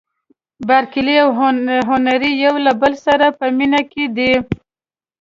بارکلي او هنري یو له بل سره په مینه کې دي.